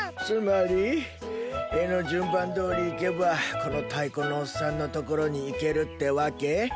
つまり絵の順番どおり行けばこの太鼓のおっさんのところに行けるってわけ？